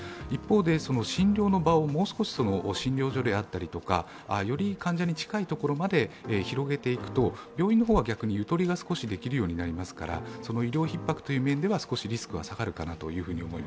一方で、診療の場をもう少し、診療所であったりとかより患者に近いところまで広げていくと、病院の方がゆとりが少しできるようになりますから、医療ひっ迫という面ではリスクが下がるかと。